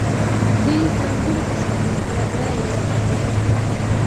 دوی ځانګړو کسانو ته رایه ورکړه.